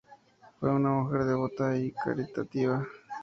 Fue una mujer devota y caritativa.